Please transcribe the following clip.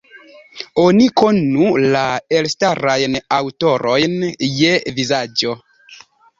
Oni konu la elstarajn aŭtorojn je vizaĝo.